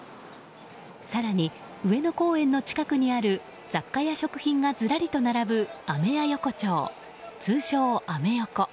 更に上野公園の近くにある雑貨や食品がずらりと並ぶアメヤ横丁、通称アメ横。